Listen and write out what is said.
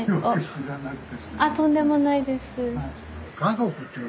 あとんでもないです。